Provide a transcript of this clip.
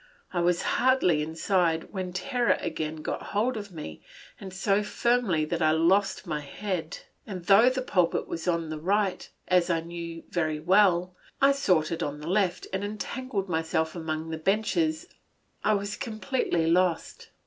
I was hardly inside when terror again got hold of me and so firmly that I lost my head, and though the pulpit was on the right, as I very well knew, I sought it on the left, and entangling myself among the benches I was completely lost.